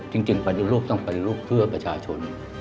จริงปฏิรูปต้องปฏิรูปเพื่อประชาชน